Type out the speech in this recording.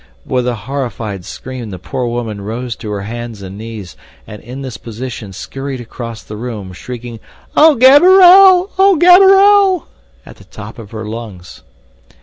With a horrified scream the poor woman rose to her hands and knees, and in this position scurried across the room, shrieking: "O Gaberelle! O Gaberelle!" at the top of her lungs.